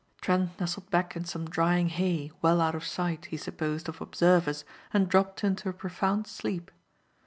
Trent nestled back in some drying hay, well out of sight, he supposed, of observers and dropped into a profound sleep.